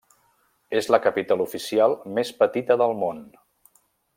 És la capital oficial més petita del món.